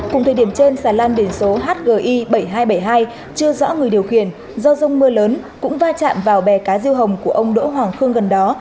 cùng thời điểm trên xà lan biển số hgi bảy nghìn hai trăm bảy mươi hai chưa rõ người điều khiển do rông mưa lớn cũng va chạm vào bè cá riêu hồng của ông đỗ hoàng khương gần đó